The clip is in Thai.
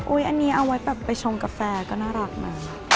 อุ๊ยอันนี้เอาไว้แบบไปชมกาแฟก็น่ารักน่ะ